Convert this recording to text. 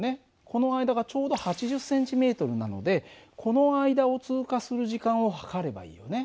この間がちょうど８０ｃｍなのでこの間を通過する時間を測ればいいよね。